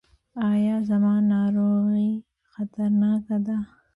ایا زما ناروغي خطرناکه ده؟